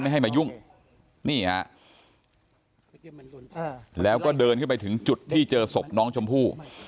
ให้มายุ่งนี่ฮะแล้วก็เดินขึ้นไปถึงจุดที่เจอศพน้องชมพู่